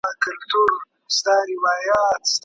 لارښود د محصل هڅونه زیاتوي.